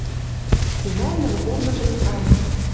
Цилӓ нӹл корныжы иканьы —